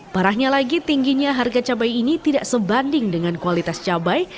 parahnya lagi tingginya harga cabai ini tidak sebanding dengan kualitas cabai